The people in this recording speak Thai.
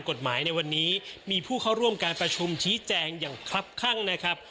กฎหมายในวันนี้มีผู้เข้าร่วมการประชุมชี้แจงอย่างคลับข้างนะครับ